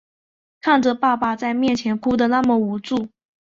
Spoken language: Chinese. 看着爸爸在面前哭的那么无助